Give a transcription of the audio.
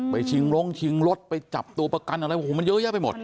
ชิงลงชิงรถไปจับตัวประกันอะไรโอ้โหมันเยอะแยะไปหมด